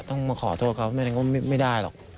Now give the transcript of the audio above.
ต้องมาขอโทษเขาไม่ได้หรอก